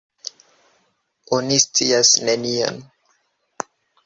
Oni scias nenion.